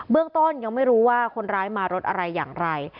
เรื่องต้นยังไม่รู้ว่าคนร้ายมารถอะไรอย่างไร